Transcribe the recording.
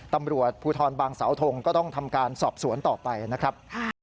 ตำรวจภูทรบางสาวทงก็ต้องทำการสอบสวนต่อไปนะครับ